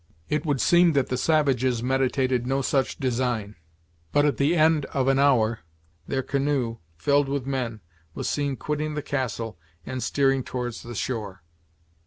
It would seem that the savages meditated no such design, but at the end of an hour their canoe, filled with men, was seen quitting the castle and steering towards the shore.